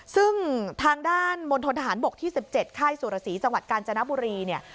ซึ่งทางด้านมณฑนทหารบกที่๑๗ค่ายสุรสีจังหวัดกาญจนบุรีเนี่ย